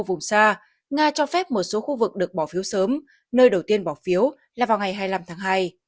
ở vùng xa nga cho phép một số khu vực được bỏ phiếu sớm nơi đầu tiên bỏ phiếu là vào ngày hai mươi năm tháng hai